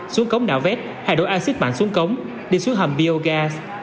xuống cống đảo vét hại đổi axit mạng xuống cống đi xuống hầm biogas